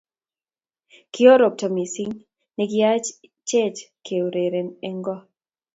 Kio robta mising ne kiyaech keureren eng ko